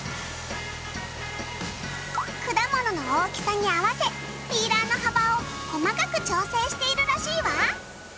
果物の大きさに合わせピーラーの幅を細かく調整しているらしいわ。